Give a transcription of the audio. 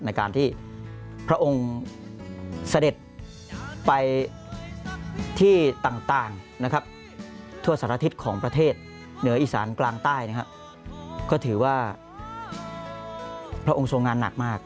ในการที่พระองค์เสด็จไปที่ต่างนะครับทั่วสารทิศของประเทศเหนืออีสานกลางใต้นะครับก็ถือว่าพระองค์ทรงงานหนักมาก